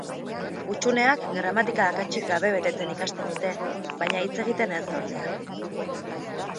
Hutsuneak gramatika akatsik gabe betetzen ikasten dute baina hitz egiten ez, ordea.